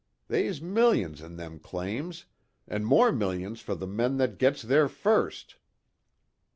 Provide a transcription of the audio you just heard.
They's millions in them claims an' more millions fer the men that gets there first."